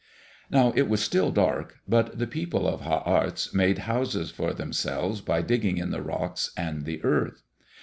Now it was still dark, but the people of Ha arts made houses for themselves by digging in the rocks and the earth.